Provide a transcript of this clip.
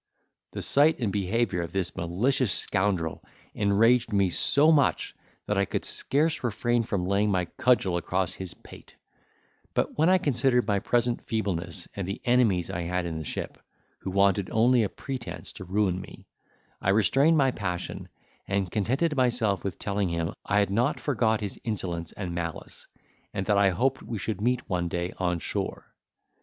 The sight and behaviour of this malicious scoundrel enraged me so much that I could scarce refrain from laying my cudgel across his pate; but when I considered my present feebleness, and the enemies I had in the ship, who wanted only a pretence to ruin me, I restrained my passion, and contented myself with telling him, I had not forgot his insolence and malice, and that I hoped we should meet one day on shore.